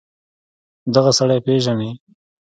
دغه سړى پېژنې.